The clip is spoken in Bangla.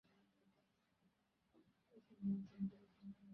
তিনি মদিনার মসজিদে নববীতে অধ্যাপনাকালে তৃতীয় নিয়মকে বেশি অনুসরণ করেছেন।